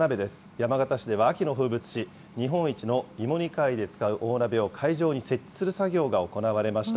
山形市では秋の風物詩、日本一の芋煮会で使う大鍋を会場に設置する作業が行われました。